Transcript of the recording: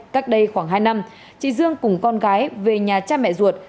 cách đây khoảng hai năm chị dương cùng con gái về nhà cha mẹ ruột